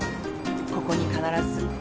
ここに必ず。